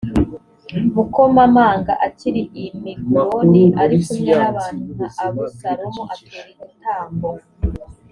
mukomamanga akiri i miguroni ari kumwe n’ abantu nka abusalomo atura igitambo